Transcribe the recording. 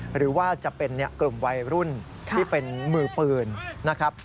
หรือว่าจะเป็นกลุ่มวัยรุ่นที่เป็นมือปืนนะครับ